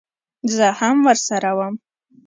زه هم ورسره وم.